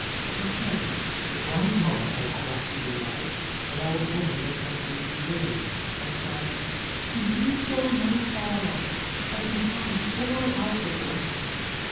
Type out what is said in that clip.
At this moment the grandmother of Hayashi arrived, an old woman of some eighty years, and said :' You need go no farther. I can tell you all about the ghost.